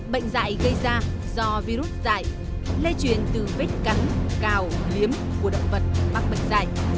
bệnh dạy gây ra do virus dạy lê truyền từ vết cắn cào liếm của động vật bắt bệnh dạy